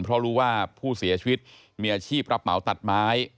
เพราะรู้ว่าผู้เสียชีวิตมีอาชีพรับเหมาตัดไม้